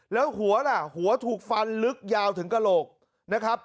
แล้วหัวล่ะหัวถูกฟันลึกยาวถึงกระโหลกนะครับ